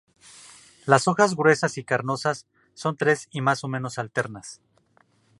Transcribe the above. Las hojas gruesas y carnosas, son tres y más o menos alternas.